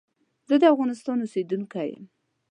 زه دافغانستان اوسیدونکی یم.